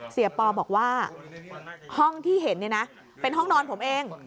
ปอบอกว่าห้องที่เห็นเนี่ยนะเป็นห้องนอนผมเอง